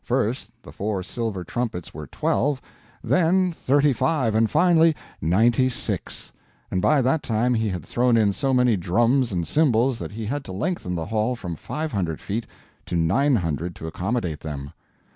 First the four silver trumpets were twelve, then thirty five, finally ninety six; and by that time he had thrown in so many drums and cymbals that he had to lengthen the hall from five hundred feet to nine hundred to accommodate them.